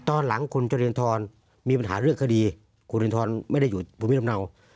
ตอนหลังคุณเจริญทรมีปัญหาเรื่องคดีคุณรินทรไม่ได้อยู่ภูมิลำเนา